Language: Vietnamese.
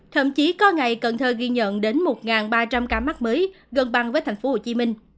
thậm chí có ngày cần thơ ghi nhận đến một ba trăm linh ca mắc mới gần bằng với tp hcm